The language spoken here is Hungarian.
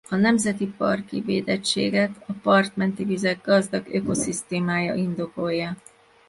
A nemzeti parki védettséget a part menti vizek gazdag ökoszisztémája indokolja.